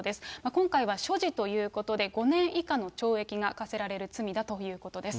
今回は所持ということで、５年以下の懲役が科せられる罪だということです。